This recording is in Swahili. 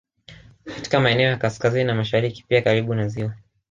Katika maeneo ya kaskazini na mashariki pia karibu na ziwa